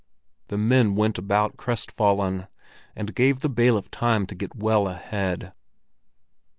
The men went about crestfallen, and gave the bailiff time to get well ahead.